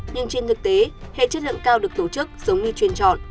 nhưng trên thực tế hệ chất lượng cao được tổ chức giống như truyền chọn